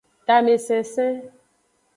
Tamesensen.